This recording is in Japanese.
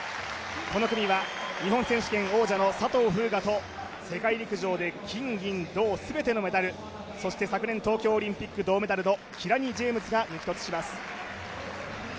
この組は日本選手権王者の佐藤風雅と世界陸上で金、銀、銅、全てのメダルそして昨年東京オリンピック銅メダルのキラニ・ジェームズが激突します。